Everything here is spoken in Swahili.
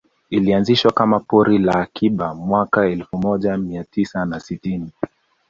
Ilianzishwa kama pori la akiba mwaka elfu moja mia tisa na sitini